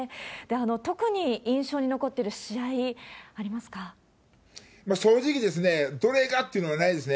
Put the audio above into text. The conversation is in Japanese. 特に印象に残ってる試合、正直、どれがっていうのはないですね。